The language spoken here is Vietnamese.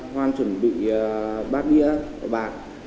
hoan chuẩn bị bát đĩa bạc